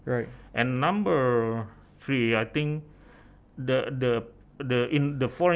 dan yang ketiga saya pikir